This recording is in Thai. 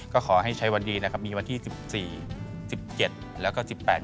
ก็ขอให้ใช้วันดีนะครับมีวันที่๑๔๑๗แล้วก็๑๘